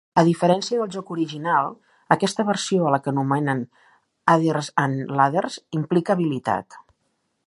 A diferència del joc original, aquesta versió, a la que anomenen "Adders-and-Ladders", implica habilitat.